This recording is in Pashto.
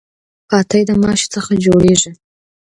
پاتی د ماشو څخه جوړیږي.